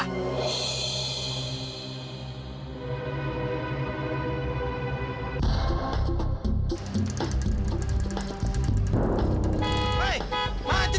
rekap itu gak ada